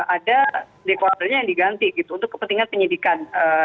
ada dekodernya yang diganti gitu untuk kepentingan penyidikan